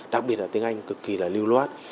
đặc biệt là tiếng anh cực kỳ là lưu loát